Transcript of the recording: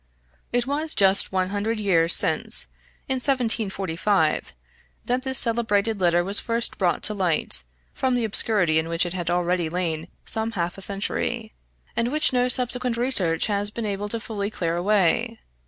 It was just one hundred years since, in 1745, that this celebrated letter was first brought to light, from the obscurity in which it had already lain some half a century, and which no subsequent research has been able fully to clear away.